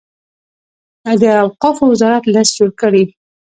د اوقافو وزارت لست جوړ کړي.